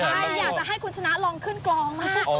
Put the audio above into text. ใช่อยากจะให้คุณชนะลองขึ้นกลองมาก